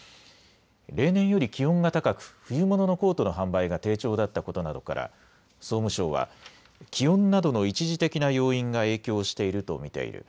例年より気温が高く冬物のコートの販売が低調だったことなどから総務省は気温などの一時的な要因が影響していると見ている。